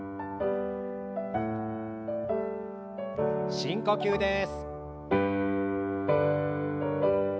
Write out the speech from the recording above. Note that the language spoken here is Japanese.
深呼吸です。